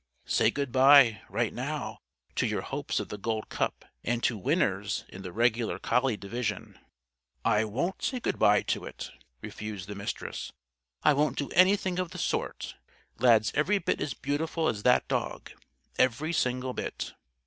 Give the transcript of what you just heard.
Say goodby, right now, to your hopes of the Gold Cup; and to 'Winners' in the regular collie division." "I won't say goodby to it," refused the Mistress. "I won't do anything of the sort. Lad's every bit as beautiful as that dog. Every single bit."